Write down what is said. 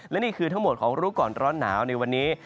และนี่คือทั้งหมดของรู้ก่อนร้อนหนาวในวันนี้